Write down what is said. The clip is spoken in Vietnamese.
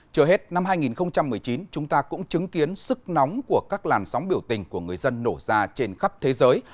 chờ hết năm hai nghìn một mươi chín chúng ta cũng chứng kiến sức nóng của các làn sóng biểu tình của người dân nổ ra trên khắp thế giới